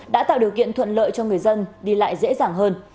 đã tạo điều kiện thuận lợi cho người dân đi lại dễ dàng hơn